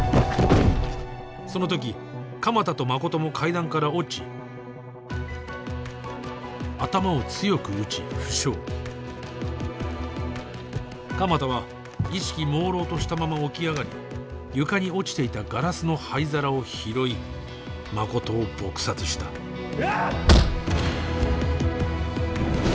その時鎌田と誠も階段から落ち頭を強く打ち負傷鎌田は意識朦朧としたまま起き上がり床に落ちていたガラスの灰皿を拾い誠を撲殺したうわっ！